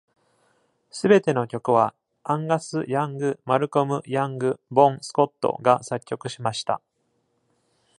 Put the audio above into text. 全ての曲はアンガス・ヤング、マルコム・ヤング、ボン・スコットが作曲しました。